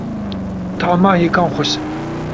Tahma hêkan xweş e.